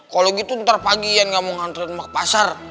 kalau gitu ntar pagi ian gak mau ngantriin mak ke pasar